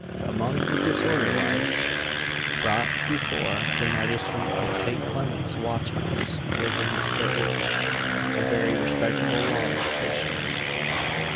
Among the "disorderlies" brought before the magistrate from St. Clement's watch house, was a Mr. H., a very respectable law stationer.